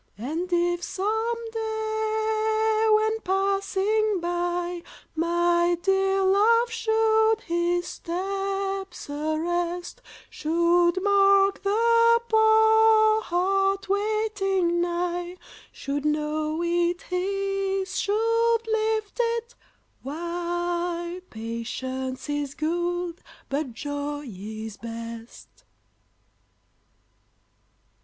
And if some day, when passing by, My dear Love should his steps arrest, Should mark the poor heart waiting nigh, Should know it his, should lift it, why, Patience is good, but joy is best!